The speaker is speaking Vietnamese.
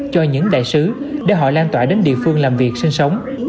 cho những đại sứ để họ lan tỏa đến địa phương làm việc sinh sống